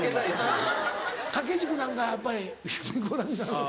今・掛け軸なんかやっぱりご覧になる？